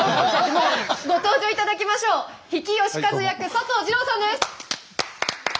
ご登場いただきましょう比企能員役佐藤二朗さんです。